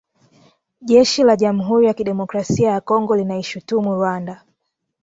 Jeshi la Jamhuri ya kidemokrasia ya Kongo linaishutumu Rwanda.